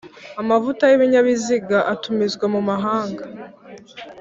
Amavuta y ibinyabiziga atumizwa mu mahanga